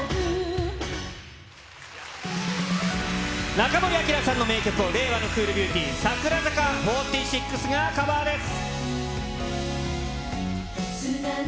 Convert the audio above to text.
中森明菜さんの名曲を令和のクールビューティー、櫻坂４６がカバーです。